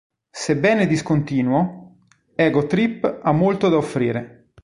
Sebbene discontinuo, "Ego Trip" ha molto da offrire.